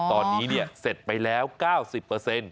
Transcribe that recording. ตอนนี้เนี่ยเสร็จไปแล้ว๙๐เปอร์เซ็นต์